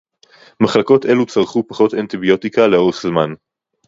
מחלקות אלו צרכו פחות אנטיביוטיקה לאורך זמן